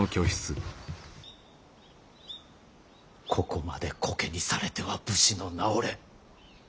ここまでコケにされては武士の名折れ。